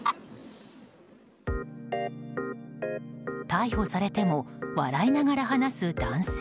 逮捕されても笑いながら話す男性。